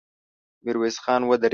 ميرويس خان ودرېد.